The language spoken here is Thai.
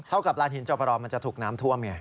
เท่ากับร้านหินจบปะรอมันจะถูกน้ำท่วมไง